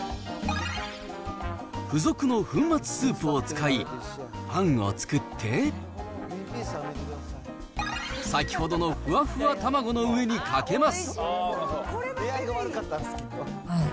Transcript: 付属の粉末スープを使い、あんを作って、先ほどのふわふわ卵の上にかけます。